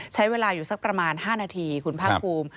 ใช้เวลาอยู่สักประมาณ๕นาทีคุณภาคภูมิ